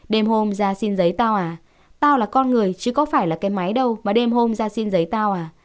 đêm hôm ra xin giấy tao à tao là con người chứ có phải là cái máy đâu mà đêm hôm ra xin giấy tao à